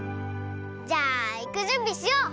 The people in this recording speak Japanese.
じゃあいくじゅんびしよう！